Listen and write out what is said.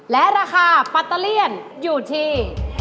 และราคาปัตเตอร์เลี่ยนอยู่ที่